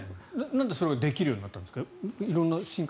なんでそれはできるようになったんですか？